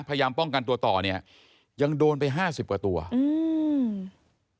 พยายามป้องกันตัวต่อเนี้ยยังโดนไปห้าสิบกว่าตัวอืม